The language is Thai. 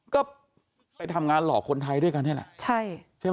ก็ไปทำงานหลอกคนไทยด้วยกันนี่แหละใช่ใช่ไหม